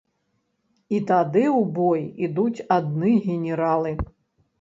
І тады ў бой ідуць адны генералы.